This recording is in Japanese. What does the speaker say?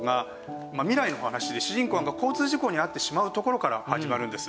まあ未来のお話で主人公が交通事故に遭ってしまうところから始まるんです。